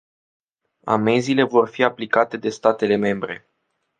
Amenzile vor fi aplicate de statele membre.